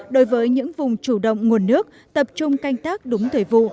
đối với những vùng chủ động nguồn nước tập trung canh tác đúng thời vụ